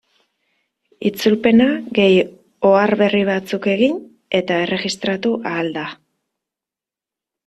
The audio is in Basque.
Itzulpena gehi ohar berri batzuk egin eta erregistratu ahal da.